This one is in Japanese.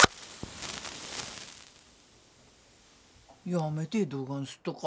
やめてどがんすっとか？